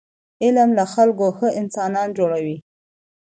علم له خلکو ښه انسانان جوړوي.